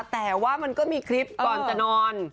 แต่ว่ามันก็มีคลิปก่อนจะนอน